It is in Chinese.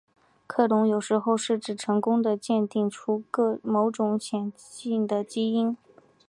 克隆有时候是指成功地鉴定出某种显性的基因。